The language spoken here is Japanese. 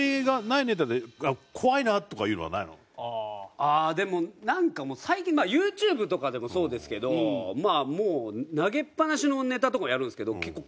ああでもなんかもう最近まあユーチューブとかでもそうですけどまあもう投げっぱなしのネタとかもやるんですけど結構ああ。